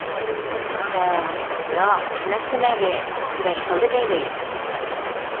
ھە، ياق «قىيناش» دېمەيلى، «كۈرەش قىلدى» دەيلى.